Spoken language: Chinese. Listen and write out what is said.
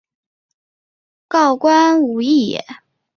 告官无益也。